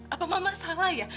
apa mama salah ya